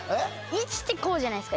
「１」ってこうじゃないですか。